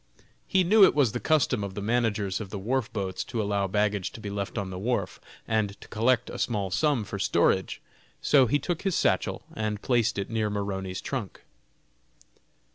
He knew it was the custom of the managers of the wharf boats to allow baggage to be left on the wharf, and to collect a small sum for storage; so he took his satchel and placed it near Maroney's trunk.